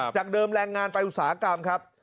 จากเดิมแรงงานไปอุตสาหกรรมครับ